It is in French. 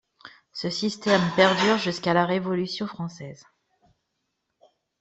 Ce système perdure jusqu'à la Révolution française.